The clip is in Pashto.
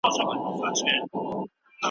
کمپيوټر هنر ژوندی کوي.